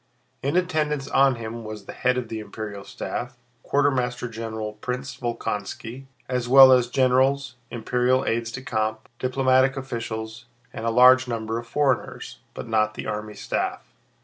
In attendance on him was the head of the imperial staff, Quartermaster General Prince Volkónski, as well as generals, imperial aides de camp, diplomatic officials, and a large number of foreigners, but not the army staff.